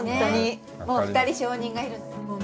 もう２人証人がいる。